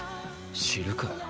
知るかよ。